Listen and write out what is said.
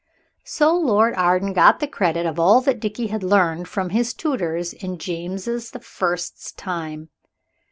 So Lord Arden got the credit of all that Dickie had learned from his tutors in James the First's time.